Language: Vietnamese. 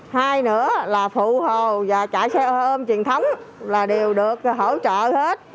hai nữa là phụ hồ và chạy xe ôm truyền thống là đều được hỗ trợ hết